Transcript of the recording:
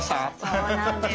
そうなんです。